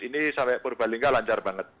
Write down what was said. ini sampai purbalingga lancar banget